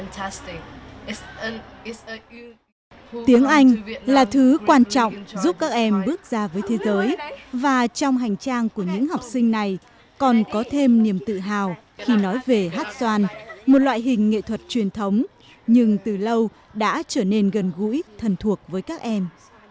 tiếng anh là thứ quan trọng giúp các em bước ra với thế giới và trong hành trang của những học sinh này còn có thêm niềm tự hào khi nói về hát xoan một loại hình nghệ thuật truyền thống nhưng từ lâu đã trở nên gần gũi thần thuộc với các em